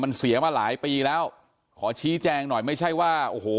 มันเสียมาหลายปีแล้วขอชี้แจงหน่อยไม่ใช่ว่าโอ้โห